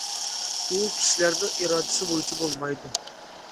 ئۇ كىشىلەرنىڭ ئىرادىسى بويىچە بولمايدۇ.